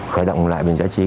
khởi động lại bệnh giải chiến